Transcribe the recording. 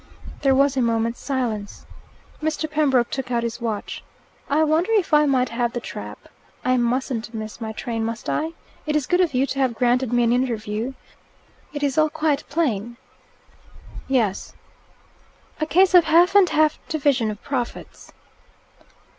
There was a moment's silence. Mr. Pembroke took out his watch. "I wonder if I might have the trap? I mustn't miss my train, must I? It is good of you to have granted me an interview. It is all quite plain?" "Yes." "A case of half and half division of profits."